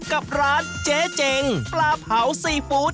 กับร้านเจ๊เจงปลาเผาซีฟู้ด